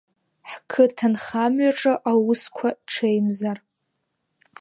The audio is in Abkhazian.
Ҳқыҭанхамҩаҿы аусқәа ҽеимзар.